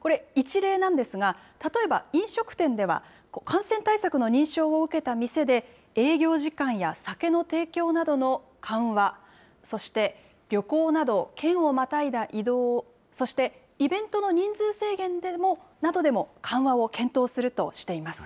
これ、一例なんですが、例えば飲食店では、感染対策の認証を受けた店で、営業時間や酒の提供などの緩和、そして旅行など、県をまたいだ移動、そしてイベントの人数制限などでも、緩和を検討するとしています。